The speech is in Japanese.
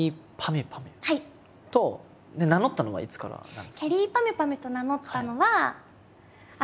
ゅぱみゅ」と名乗ったのはいつからなんですか？